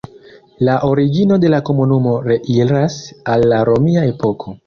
La origino de la komunumo reiras al la romia epoko.